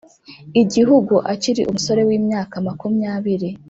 igihugu akiri umusore w'imyaka makumyabiri.